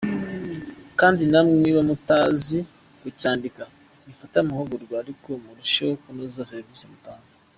Kandi namwe niba mutazi kucyandika mufate amahugurwa ariko murusheho kunoza service mutanga.